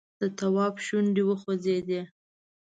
د تواب شونډې وخوځېدې!